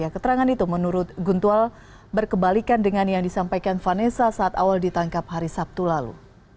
keterangan itu menurut guntual berkebalikan dengan yang disampaikan vanessa saat awal ditangkap hari sabtu lalu